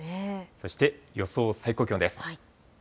そして予想最高気温です。